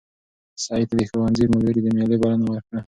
سعید ته د ښوونځي ملګرو د مېلې بلنه ورکړه.